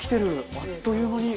あっという間に。